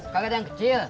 kagak ada yang kecil